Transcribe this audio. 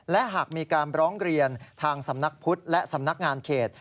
และหากมีการร้องเรียนทางสำนักพุทธและสำนักงานเขต